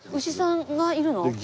牛さんがいるの？